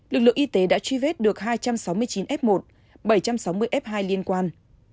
lực lượng y tế đã truy vết được hai trăm sáu mươi chín f một bảy trăm sáu mươi f hai liên quan